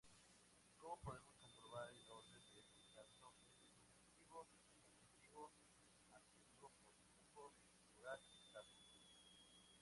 Como podemos comprobar el orden en este caso es sustantivo-adjetivo-adjetivo-posesivo-plural-caso.